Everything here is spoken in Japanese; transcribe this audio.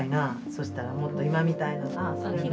そしたらもっと今みたいなさ。